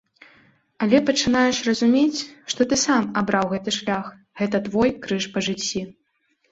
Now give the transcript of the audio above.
Але пачынаеш разумець, што ты сам абраў гэты шлях, гэта твой крыж па жыцці.